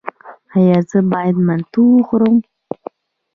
ایا زه باید منتو وخورم؟